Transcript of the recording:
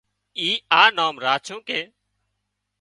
اي آ نام راڇون ڪي